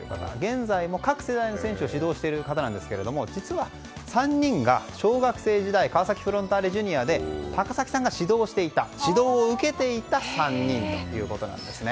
現在も、各世代の選手を指導している方なんですけれども実は３人が小学生時代川崎フロンターレジュニアで高崎さんが指導をしていた指導を受けていた３人ということなんですね。